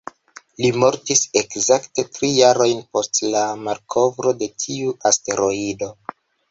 Li mortis ekzakte tri jarojn post la malkovro de tiu asteroido.